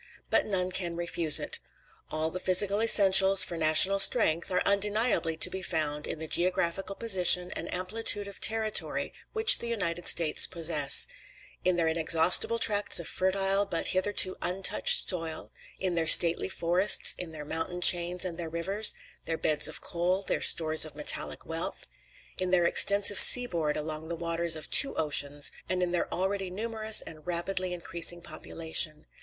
But none can refuse it. All the physical essentials for national strength are undeniably to be found in the geographical position and amplitude of territory which the United States possess: in their almost inexhaustible tracts of fertile, but hitherto untouched soil; in their stately forests, in their mountain chains and their rivers, their beds of coal, and stores of metallic wealth; in their extensive seaboard along the waters of two oceans, and in their already numerous and rapidly increasing population.